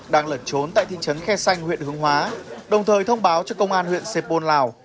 đang lẩn trốn tại thị trấn khe xanh huyện hướng hóa đồng thời thông báo cho công an huyện sê pôn lào